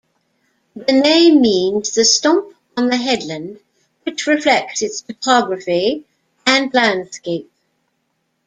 The name means 'the stump on the headland', which reflects its topography and landscape.